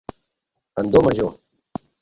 En do major.